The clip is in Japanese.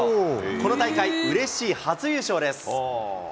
この大会、うれしい初優勝です。